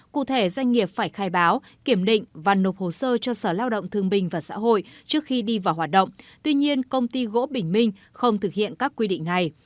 cụ thể doanh nghiệp phải khai báo kiểm định và nộp hồ sơ cho sở lao động thương bình và xã hội trước khi đi vào hoạt động tuy nhiên công ty gỗ bình minh không thực hiện các quy định này